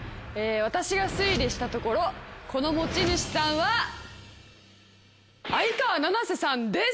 私が推理したところこの持ち主さんは相川七瀬さんです。